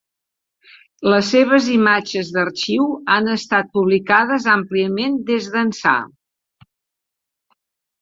Les seves imatges d'arxiu han estat publicades àmpliament des d'ençà.